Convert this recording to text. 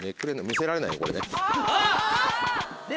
見せられないこれね。